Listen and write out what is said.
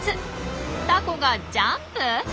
タコがジャンプ？